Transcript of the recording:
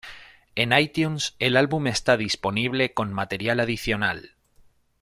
En iTunes el álbum está disponible con material adicional.